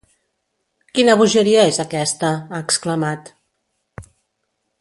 Quina bogeria és aquesta?, ha exclamat.